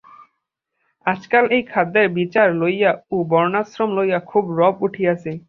আজকাল এই খাদ্যের বিচার লইয়া ও বর্ণাশ্রম লইয়া খুব রব উঠিয়াছে।